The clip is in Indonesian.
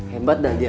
hebat nggak dia